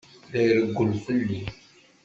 La irewwel fell-i.